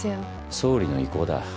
総理の意向だ。